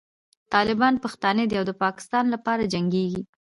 طالبان پښتانه دي او د پاکستان لپاره جنګېږي.